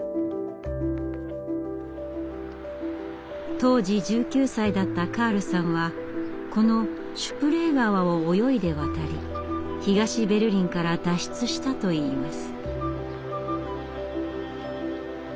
当時１９歳だったカールさんはこのシュプレー川を泳いで渡り東ベルリンから脱出したといいます。